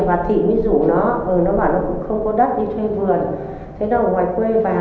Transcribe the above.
thì bà thị mới rủ nó nó bảo nó cũng không có đất đi thuê vườn thế đâu ngoài quê vào